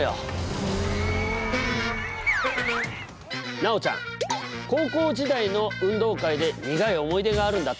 奈央ちゃん高校時代の運動会で苦い思い出があるんだって？